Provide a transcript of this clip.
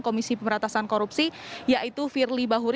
komisi pemberantasan korupsi yaitu firly bahuri